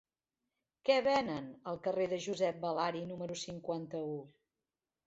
Què venen al carrer de Josep Balari número cinquanta-u?